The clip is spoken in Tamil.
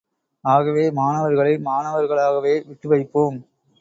ஆகவே மாணவர்களை மாணவர்களாகவே விட்டுவைப்போம்.